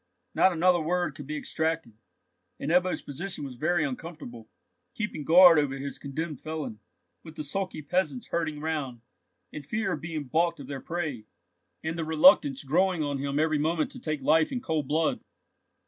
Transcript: Not another word could be extracted, and Ebbo's position was very uncomfortable, keeping guard over his condemned felon, with the sulky peasants herding round, in fear of being balked of their prey; and the reluctance growing on him every moment to taking life in cold blood.